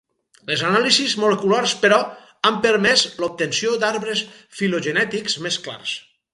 Les anàlisis moleculars però, han permès l'obtenció d'arbres filogenètics més clars.